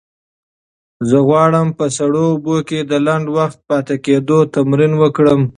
زه غواړم په سړو اوبو کې د لنډ وخت پاتې کېدو تمرین وکړم.